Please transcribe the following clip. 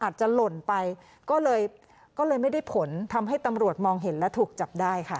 หล่นไปก็เลยก็เลยไม่ได้ผลทำให้ตำรวจมองเห็นและถูกจับได้ค่ะ